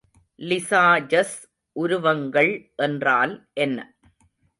Lissajous உருவங்கள் என்றால் என்ன?